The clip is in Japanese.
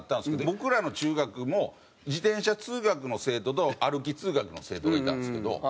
僕らの中学も自転車通学の生徒と歩き通学の生徒がいたんですけど。